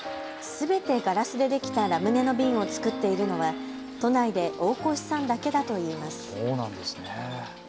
すべてガラスでできたラムネの瓶を作っているのは都内で大越さんだけだといいます。